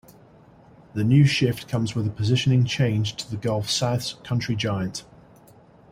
The new shift comes with a positioning change to "The Gulf South's Country Giant".